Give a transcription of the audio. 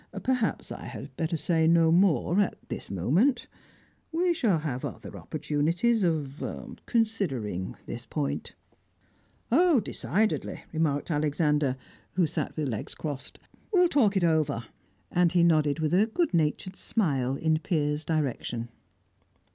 Perhaps I had better say no more at this moment. We shall have other opportunities of of considering this point." "Decidedly," remarked Alexander, who sat with legs crossed. "We'll talk it over." And he nodded with a good natured smile in Piers' direction.